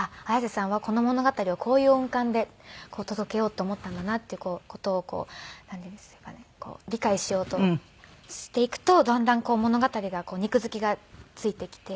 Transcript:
Ａｙａｓｅさんはこの物語をこういう音感で届けようと思ったんだなっていう事をなんていうんですかね理解しようとしていくとだんだん物語が肉付きが付いてきて。